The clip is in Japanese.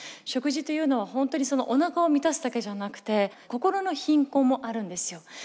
食事というのは本当にそのおなかを満たすだけじゃなくて心の貧困もあるんですよ。